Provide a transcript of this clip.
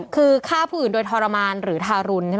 คือฆ่าผู้อื่นโดยทรมานหรือทารุณใช่ไหม